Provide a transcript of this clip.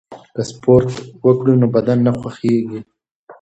که سپورت وکړو نو بدن نه خوږیږي.